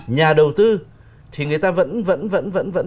nhà đầu tư thì người ta vẫn